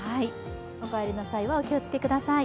お帰りの際はお気をつけください。